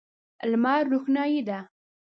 لمر روښنايي ده.